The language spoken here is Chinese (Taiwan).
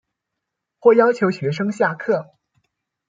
或要求學生下課